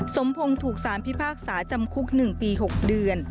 สมพงศ์ถูกสารพิพากษาจำคุก๑ปี๖เดือน